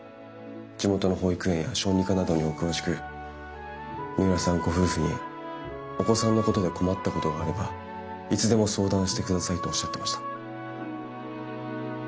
地元の保育園や小児科などにお詳しく三浦さんご夫婦にお子さんのことで困ったことがあればいつでも相談してくださいとおっしゃってました。